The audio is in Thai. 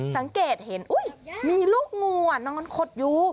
สังเกตเห็นมีลูกงูนอนขดอยู่